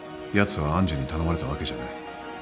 やつは愛珠に頼まれたわけじゃない